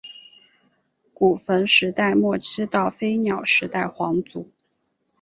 古坟时代末期到飞鸟时代皇族。